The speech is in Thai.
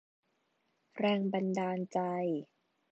แรงบันดาลใจ